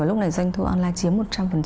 lúc này doanh thu online chiếm một trăm linh